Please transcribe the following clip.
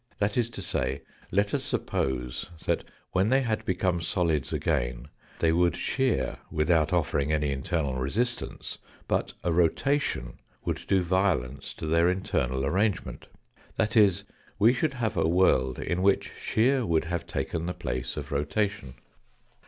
That is to say, let us suppose that when they had become solids again they would shear without offering any internal resistance, but a rotation would do violence to their internal arrangement. That is, we should have a world in which shear would have taken the place of rotation.